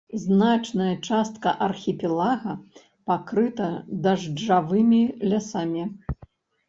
Значная частка архіпелага пакрыта дажджавымі лясамі.